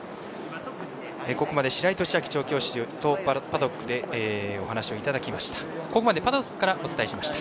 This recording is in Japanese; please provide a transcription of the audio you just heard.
ここまで白井寿昭調教師とパドックでお話をいただきました。